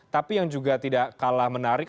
tapi yang juga tidak kalah menarik